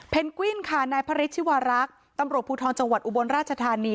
เพนกวิ้นค่ะณพระริชชีวารักษ์ตำรวจภูทองจังหวัดอุบลราชทรานี